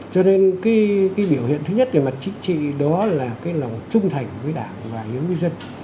cho nên cái biểu hiện thứ nhất về mặt chính trị đó là cái lòng trung thành với đảng và đối với dân